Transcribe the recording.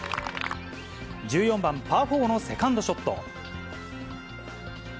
１４番パーフォーのセカンドショット。